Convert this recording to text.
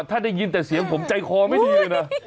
ถ้าได้ยินแต่เสียงผมใจเคาไม่ได้ยิน